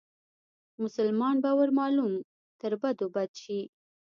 مسلمان به ور معلوم تر بدو بد شي